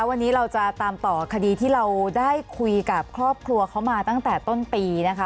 วันนี้เราจะตามต่อคดีที่เราได้คุยกับครอบครัวเขามาตั้งแต่ต้นปีนะคะ